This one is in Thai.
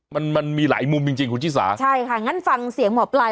มันมันมีหลายมุมจริงจริงคุณชิสาใช่ค่ะงั้นฟังเสียงหมอปลาย